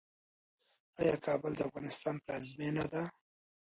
آیا کابل د افغانستان پلازمینه ده؟